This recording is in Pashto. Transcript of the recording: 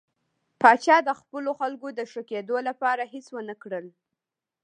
پاچا د خپلو خلکو د ښه کېدو لپاره هېڅ ونه کړل.